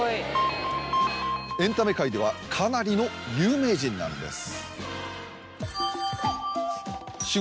エンタメ界ではかなりの有名人なんです。